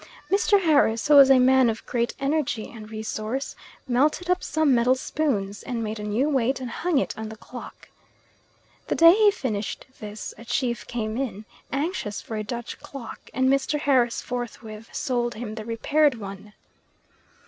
Mr. Harris, who was a man of great energy and resource, melted up some metal spoons and made a new weight and hung it on the clock. The day he finished this a chief came in, anxious for a Dutch clock, and Mr. Harris forthwith sold him the repaired one.